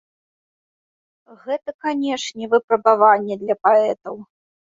Гэта, канешне, выпрабаванне для паэтаў.